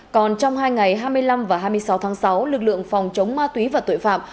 còn trong hai ngày hai mươi năm và hai mươi sáu tháng sáu lực lượng phòng chống ma túy và tội phạm